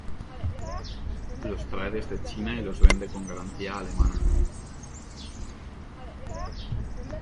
Los trae desde China y los vende con garantía alemana.